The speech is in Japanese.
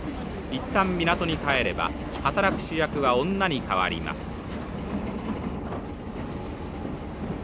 一旦港に帰れば働く主役は女に代わります。